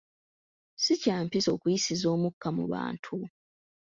Si kya mpisa okuyisiza omukka mu bantu.